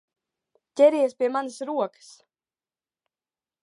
Ķeries pie manas rokas!